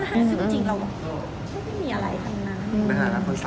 เราก็ไม่มีอะไรทางนั้น